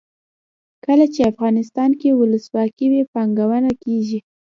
کله چې افغانستان کې ولسواکي وي پانګونه کیږي.